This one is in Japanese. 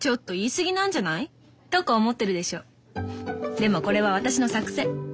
でもこれは私の作戦。